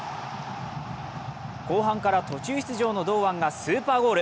後半から途中出場の堂安がスーパーゴール。